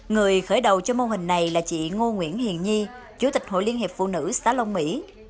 người khởi đầu cho mô hình này là chị ngô nguyễn hiền nhi chủ tịch hội liên hiệp phụ nữ xã long mỹ